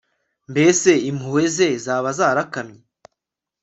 mbese impuhwe ze zaba zarakamye